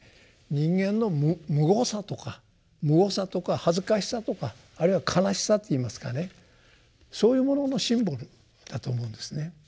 人間のむごさとかむごさとか恥ずかしさとかあるいは悲しさっていいますかねそういうもののシンボルだと思うんですね。